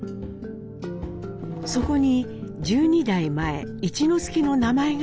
そこに１２代前市佑の名前がありました。